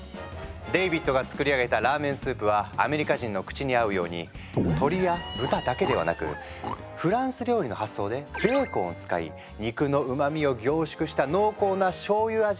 デイビッドが作り上げたラーメンスープはアメリカ人の口に合うように鶏や豚だけではなくフランス料理の発想でベーコンを使い肉のうまみを凝縮した濃厚なしょうゆ味のスープ。